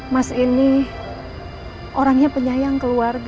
mas ini orangnya penyayang keluarga